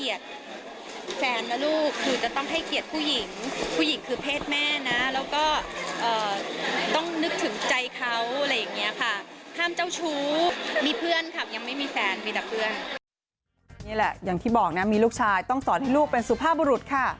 อย่างที่บอกมีลูกชายต้องสอนให้ลูกเป็นสุภาพบรรยากาศ